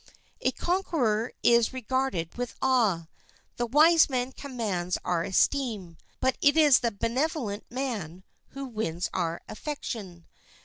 A conqueror is regarded with awe, the wise man commands our esteem, but it is the benevolent man who wins our affection.